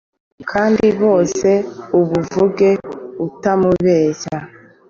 kandi byose ubuvuge utamubeshya